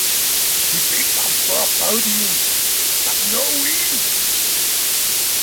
He picked up four podiums, but no win.